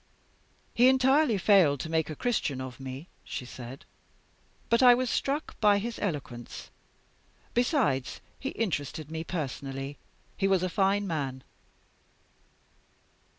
'He entirely failed to make a Christian of me,' she said; 'but I was struck by his eloquence. Besides, he interested me personally he was a fine man.